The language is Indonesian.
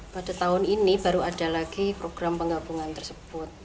pada tahun ini baru ada lagi program penggabungan tersebut